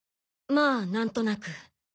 まあなんとなく。